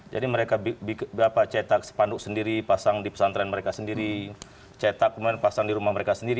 jadi mereka cetak sepanduk sendiri pasang di pesantren mereka sendiri cetak pasang di rumah mereka sendiri